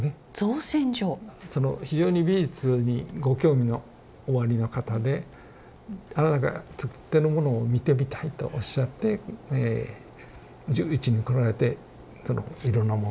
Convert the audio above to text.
非常に美術にご興味のおありの方で「あなたがつくってるものを見てみたい」とおっしゃってうちに来られていろんなものをご覧になって。